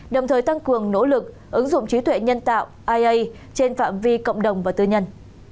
đồng thời tăng cường nỗ lực ứng dụng trí tuệ nhân tạo aia trên phạm vi cộng đồng và tư nhân